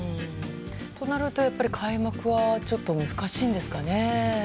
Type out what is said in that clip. となると、やっぱりちょっと開幕は難しいんですかね。